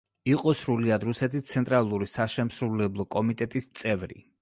იყო სრულიად რუსეთის ცენტრალური საშემსრულებლო კომიტეტის წევრი.